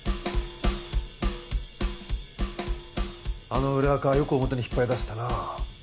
あの裏アカよく表に引っ張り出せたな。